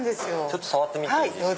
触ってみていいですか？